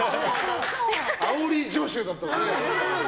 あおり助手だった。